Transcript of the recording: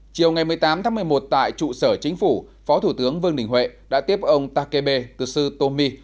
chiều ngày một mươi tám tháng một mươi một tại trụ sở chính phủ phó thủ tướng vương đình huệ đã tiếp ông takebe tsutomu